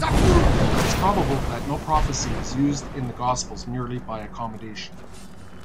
It is probable that no prophecy is used in the Gospels merely by accommodation.